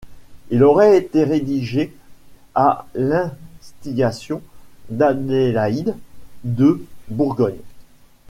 Il aurait été rédigé à l'instigation d'Adélaïde de Bourgogne.